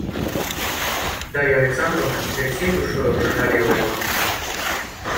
Дарья Александровна теперь всею душой уже жалела его.